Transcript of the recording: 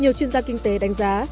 nhiều chuyên gia kinh tế đánh giá